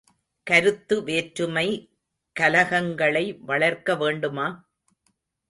கருத்து வேற்றுமை கலகங்களை வளர்க்க வேண்டுமா?